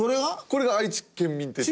これが愛知県民手帳で。